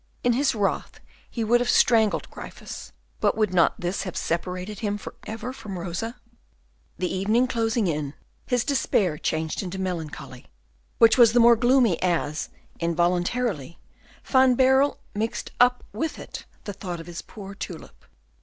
In his wrath he would have strangled Gryphus, but would not this have separated him for ever from Rosa? The evening closing in, his despair changed into melancholy, which was the more gloomy as, involuntarily, Van Baerle mixed up with it the thought of his poor tulip.